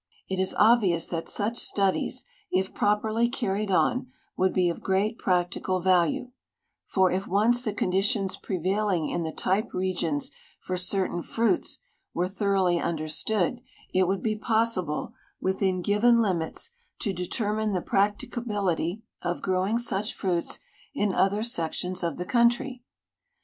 It is obvious that such studies, if properly carried on, would be of great prac tical value, for if once the conditions prevailing in the type regions for certain fruits were thoroughly understood it would be possible within given limits to determine the practicability of growing such fruits in other sections of the country.